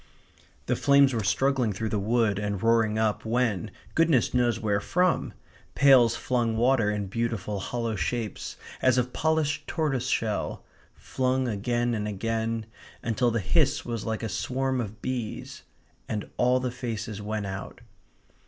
The flames were struggling through the wood and roaring up when, goodness knows where from, pails flung water in beautiful hollow shapes, as of polished tortoiseshell; flung again and again; until the hiss was like a swarm of bees; and all the faces went out.